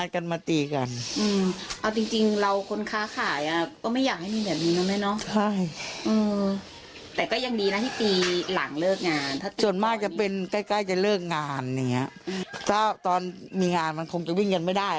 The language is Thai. ใกล้จะเลิกงานตอนมีงานมันคงจะวิ่งกันไม่ได้